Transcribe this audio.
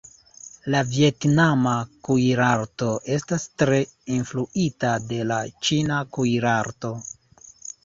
La vjetnama kuirarto estas tre influita de la ĉina kuirarto.